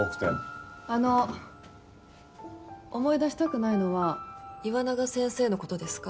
あの思い出したくないのは岩永先生の事ですか？